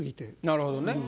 なるほどね。